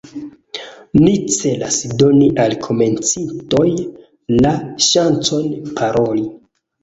Ni celas doni al komencintoj la ŝancon paroli.